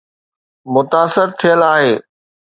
متاثر ٿيل آهي.